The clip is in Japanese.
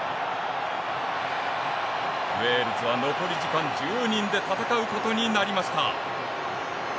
ウェールズは残り時間１０人で戦うことになりました。